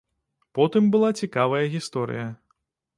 Потым была цікавая гісторыя.